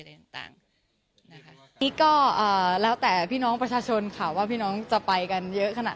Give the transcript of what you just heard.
ต่างต่างนะคะนี่ก็อ่าแล้วแต่พี่น้องประชาชนค่ะว่าพี่น้องจะไปกันเยอะขนาด